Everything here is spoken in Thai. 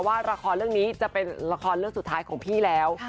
ว่าละครเรื่องนี้จะเป็นละครเรื่องสุดท้ายของพี่แล้ว